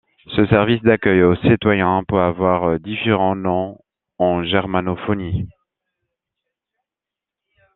Ce service d'accueil aux citoyens peut avoir différents noms en germanophonie.